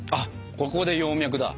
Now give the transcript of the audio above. ここで葉脈だ。